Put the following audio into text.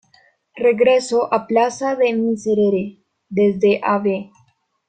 Regreso A Plaza De Miserere: Desde Av.